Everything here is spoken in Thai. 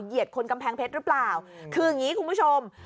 เหยียดคนกำแพงเพชรรึเปล่าคืออย่างงี้คุณผู้ชม